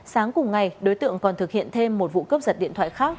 sáng cùng ngày đối tượng còn thực hiện thêm một vụ cướp giật điện thoại khác